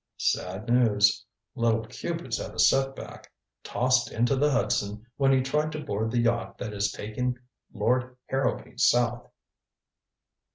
"Sad news. Little Cupid's had a set back. Tossed into the Hudson when he tried to board the yacht that is taking Lord Harrowby south."